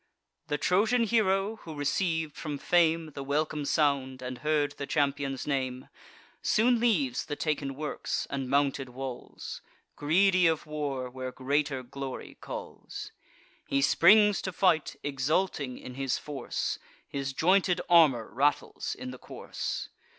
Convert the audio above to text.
The Trojan hero, who receiv'd from fame The welcome sound, and heard the champion's name, Soon leaves the taken works and mounted walls, Greedy of war where greater glory calls. He springs to fight, exulting in his force His jointed armour rattles in the course.